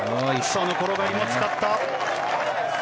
転がりも使った！